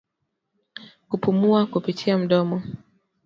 Kupumua kupitia mdomo